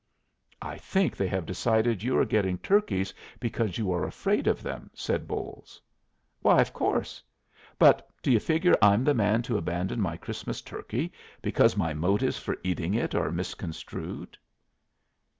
"I think they have decided you are getting turkeys because you are afraid of them," said Bolles. "Why, of course! But d' you figure I'm the man to abandon my Christmas turkey because my motives for eating it are misconstrued?"